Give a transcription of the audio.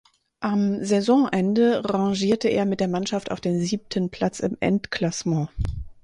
Am Saisonende rangierte er mit der Mannschaft auf dem siebten Platz im Endklassement.